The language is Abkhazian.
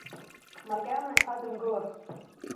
Макьана иҳадымгылацт.